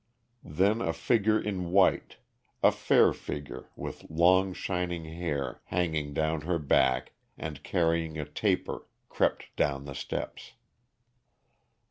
Then a figure in white, a fair figure with long shining hair hanging down her back and carrying a taper, crept down the steps.